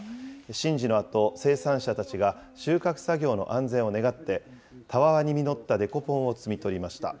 神事のあと、生産者たちが収穫作業の安全を願って、たわわに実ったデコポンを摘み取りました。